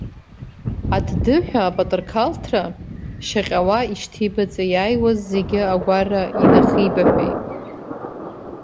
Аддыҳәа апатырқалрҭа шьаҟьауа, ишьҭеибаҵа иааиуаз зегьы агәара инахибаҳәеит.